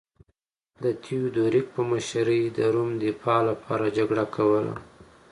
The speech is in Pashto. د تیودوریک په مشرۍ د روم دفاع لپاره جګړه کوله